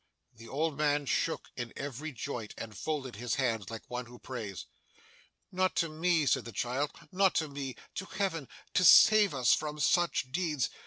The old man shook in every joint, and folded his hands like one who prays. 'Not to me,' said the child, 'not to me to Heaven, to save us from such deeds!